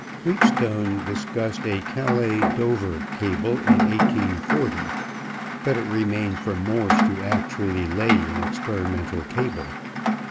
Wheatstone discussed a Calais Dover cable in 1840, but it remained for Morse to actually lay an experimental cable.